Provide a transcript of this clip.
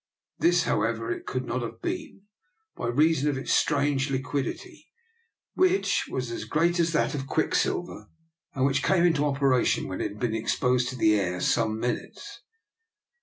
This, however, it could not have been, by reason of its strange liquidity, which was as great as that of quicksilver, and which came into operation when it had been ex posed to the air some minutes.